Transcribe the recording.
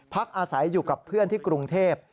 พักอาศัยอยู่กับเพื่อนที่กรุงเทพ